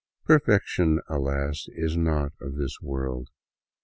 Perfection, alas, is not of this world.